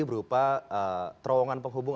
berupa terowongan penghubung